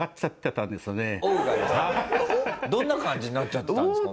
どんな感じになっちゃってたんですか？